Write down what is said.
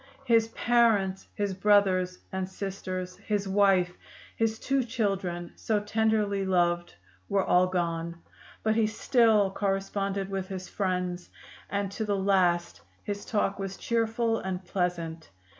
His parents, his brothers and sisters, his wife, his two children, so tenderly loved, were all gone. But he still corresponded with his friends, and to the last his talk was cheerful and pleasant.